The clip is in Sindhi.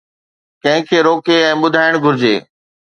ڪنهن کي روڪي ۽ ٻڌائڻ گهرجي.